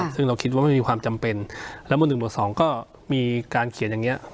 ซึ่งเราคิดว่าไม่มีความจำเป็นแล้วหมวด๑หมวด๒ก็มีการเขียนอย่างนี้